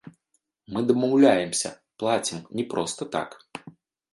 Мы дамаўляемся, плацім, не проста так.